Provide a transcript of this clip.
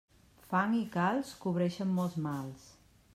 Fang i calç cobreixen molts mals.